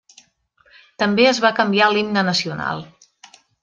També es va canviar l'himne nacional.